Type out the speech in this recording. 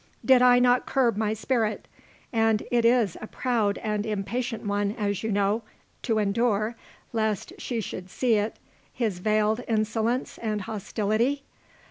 Did I not curb my spirit, and it is a proud and impatient one, as you know, to endure, lest she should see it, his veiled insolence and hostility?